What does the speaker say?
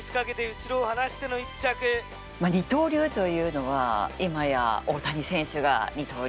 二刀流というのは、今や大谷選手が、二刀流。